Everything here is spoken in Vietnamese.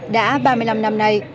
đã ba mươi năm năm nay